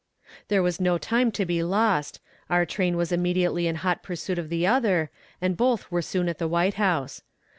There was no time to be lost; our train was immediately in hot pursuit of the other, and both were soon at the White House.